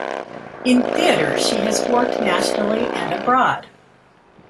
In theatre she has worked nationally and abroad.